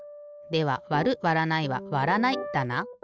ではわるわらないはわらないだな。